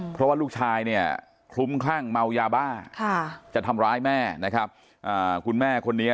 เพราะลูกชายคลุมคร่างเมายาบ้าจะทำร้ายแม่